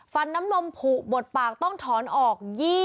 ฟันน้ำนมผูกดปากต้องถอนออก